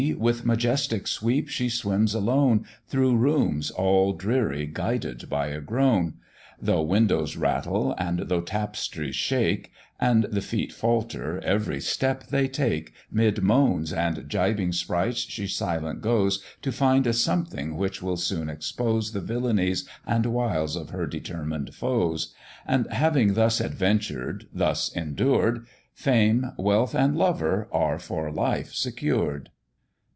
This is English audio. with majestic sweep she swims alone, Through rooms, all dreary, guided by a groan: Though windows rattle, and though tap'stries shake, And the feet falter every step they take, 'Mid moans and gibing sprights she silent goes, To find a something, which will soon expose The villanies and wiles of her determined foes: And, having thus adventured, thus endured, Fame, wealth, and lover, are for life secured.